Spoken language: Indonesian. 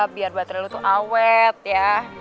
biar baterai lu tuh awet ya